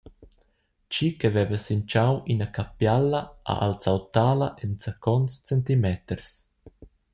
Tgi che veva sin tgau ina capiala ha alzau tala enzacons centimeters.